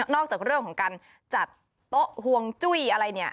อกจากเรื่องของการจัดโต๊ะห่วงจุ้ยอะไรเนี่ย